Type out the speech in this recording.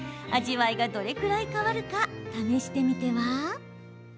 味わいが、どれくらい変わるか試してみては？